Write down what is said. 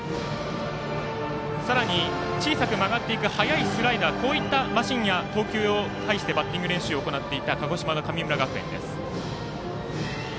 さらに小さく曲がっていく早いスライダーこういったマシーンや投球を介してバッティング練習を行っていた、鹿児島の神村学園。